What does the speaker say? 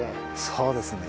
そうですね。